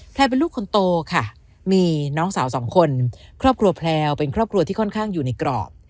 เป็นลูกคนโตค่ะมีน้องสาวสองคนครอบครัวแพลวเป็นครอบครัวที่ค่อนข้างอยู่ในกรอบ